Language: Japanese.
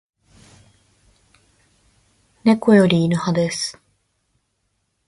猫より犬派です